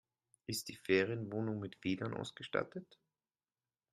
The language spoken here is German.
Ist die Ferienwohnung mit WLAN ausgestattet?